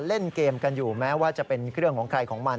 เล่นเกมกันอยู่แม้ว่าจะเป็นเครื่องของใครของมัน